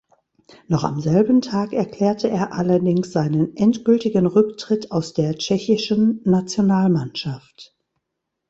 Noch am selben Tag erklärte er allerdings seinen endgültigen Rücktritt aus der tschechischen Nationalmannschaft.